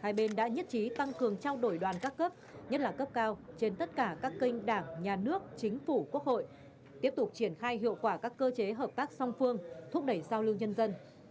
hai bên đã nhất trí tăng cường trao đổi đoàn các cấp nhất là cấp cao trên tất cả các kênh đảng nhà nước chính phủ quốc hội tiếp tục triển khai hiệu quả các cơ chế hợp tác song phương thúc đẩy giao lưu nhân dân